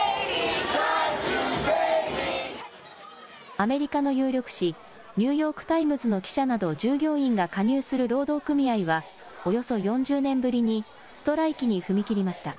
アメリカの有力紙、ニューヨーク・タイムズの記者など従業員が加入する労働組合は、およそ４０年ぶりにストライキに踏み切りました。